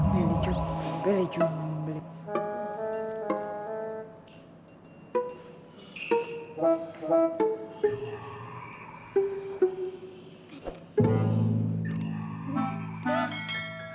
beli jo beli jo